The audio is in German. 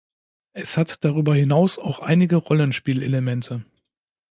Es hat darüber hinaus auch einige Rollenspiel-Elemente.